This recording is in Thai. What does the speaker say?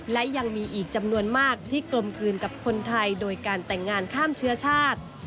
และยังมีอีกจำนวนมากที่กลมกลืนกับคนไทยโดยการแต่งงานข้ามเชื้อชาติ